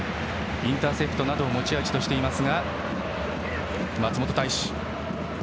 インターセプトなどを持ち味としています。